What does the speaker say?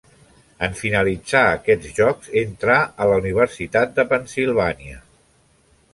En finalitzar aquests Jocs entrà a la Universitat de Pennsilvània.